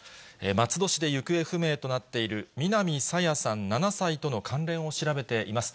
松戸市で行方不明となっている南朝芽さん７歳との関連を調べています。